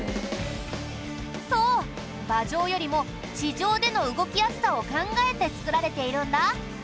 そう馬上よりも地上での動きやすさを考えて作られているんだ。